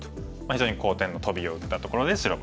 非常に好点のトビを打ったところで白番ですね。